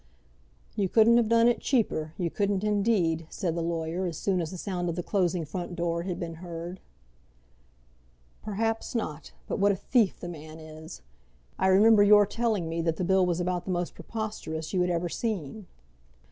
"You couldn't have done it cheaper; you couldn't, indeed," said the lawyer, as soon as the sound of the closing front door had been heard. "Perhaps not; but what a thief the man is! I remember your telling me that the bill was about the most preposterous you had ever seen."